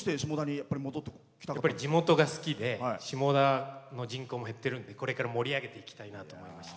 やっぱり地元が好きで下田の人口も減ってるんでこれから盛り上げていきたいなと思いまして。